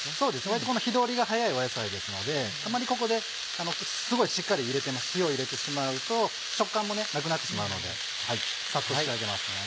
割と火通りが早い野菜ですのであまりここですごいしっかり火を入れてしまうと食感もなくなってしまうのでさっと仕上げますね。